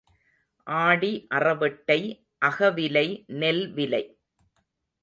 ஆடி அறவெட்டை, அகவிலை நெல் விலை.